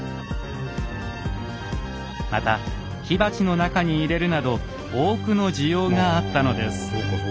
また火鉢の中に入れるなど多くの需要があったのです。